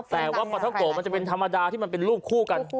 แต่ว่าปลาทะโกะมันจะเป็นธรรมดาที่มันเป็นลูกคู่กัน